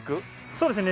そうですね。